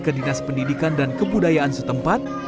ke dinas pendidikan dan kebudayaan setempat